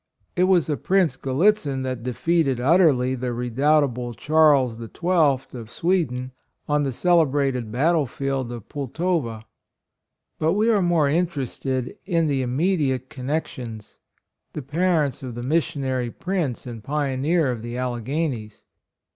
It was a Prince Gallitzin that defeated utterly the redoubtable Charles XII, of Swe den, on the celebrated battle field of Pultowa. But we are more interested in the immediate connexions — the parents of the missionary prince and pio neer of the Alleo'hanies.